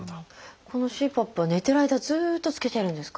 このＣＰＡＰは寝てる間ずっと着けてるんですか？